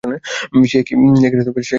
সে কি তুমি?